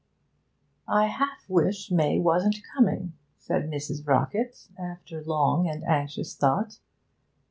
'I half wish May wasn't coming,' said Mrs. Rockett after long and anxious thought.